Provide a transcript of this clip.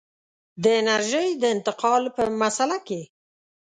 د انرژۍ د انتقال په مسأله کې.